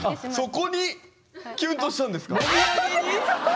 そこにキュンとしたんですか⁉そう。